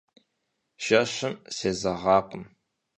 Жэщым сезэгъакъым.